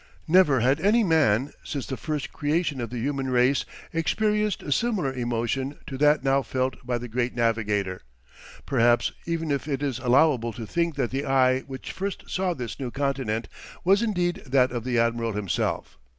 Never had any man, since the first creation of the human race experienced a similar emotion to that now felt by the great navigator. Perhaps even it is allowable to think that the eye which first saw this New Continent, was indeed that of the admiral himself.